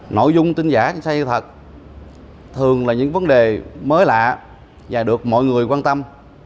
nội dung tin giả tin sai sự thật thường là những vấn đề mới lạ và được mọi người quan tâm